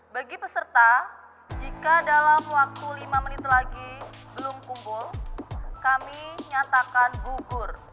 bagi peserta jika dalam waktu lima menit lagi belum kumpul kami nyatakan gugur